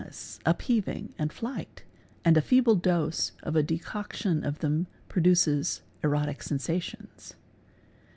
ness, upheaving, and flight, and a feeble dose of a decoction of them produces erotic sensations.